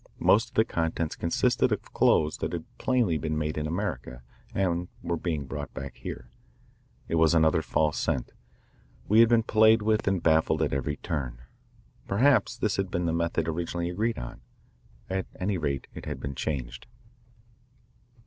Most of the contents consisted of clothes that had plainly been made in America and were being brought back here. It was another false scent. We had been played with and baffled at every turn. Perhaps this had been the method originally agreed on. At any rate it had been changed.